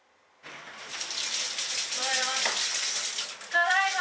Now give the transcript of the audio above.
ただいま。